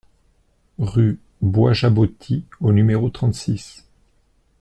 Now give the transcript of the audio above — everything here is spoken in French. Rue Bois Jaboti au numéro trente-six